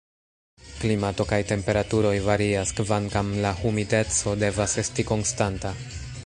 Klimato kaj temperaturoj varias, kvankam la humideco devas esti konstanta.